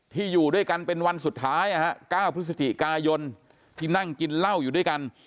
อยู่ด้วยกันเป็นวันสุดท้าย๙พฤศจิกายนที่นั่งกินเหล้าอยู่ด้วยกัน